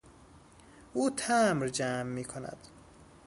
او تمبر جمع میکند.